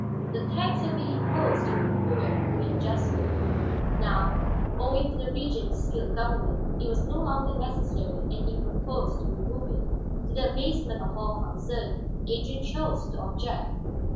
The tax had been imposed during the period of readjustment; now, owing to the Regent's skilled government, it was no longer necessary and he proposed to remove it. To the amazement of all concerned, Adrian chose to object.